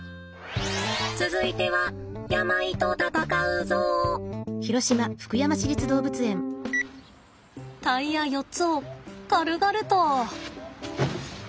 続いてはタイヤ４つを軽々と。